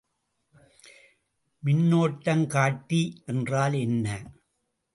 மின்னோட்டங்காட்டி என்றால் என்ன?